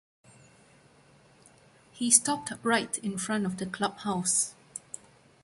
He stopped right in front of the clubhouse.